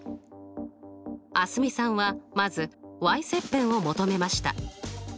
蒼澄さんはまず切片を求めました。